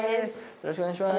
よろしくお願いします。